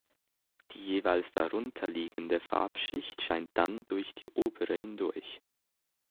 Die jeweils darunter liegende Farbschicht scheint dann durch die obere hindurch.